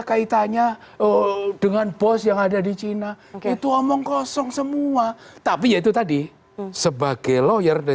kaitannya dengan bos yang ada di china itu omong kosong semua tapi ya itu tadi sebagai lawyer dan